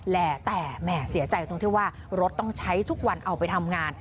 และแต่แหม่เสียใจตรงที่ว่ารถต้องใช้ทุกวันเอาไปทำงาน